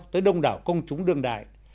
tới đông đảo công chúng đương đại